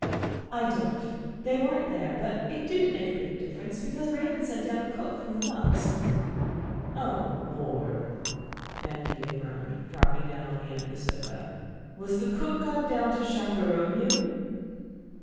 "I don't. They weren't there. But it didn't make a bit of difference, because Raymond sent down a cook from the Luxe." "Oh, Lord," Van Degen groaned, dropping down on the end of the sofa. "Was the cook got down to chaperon you?"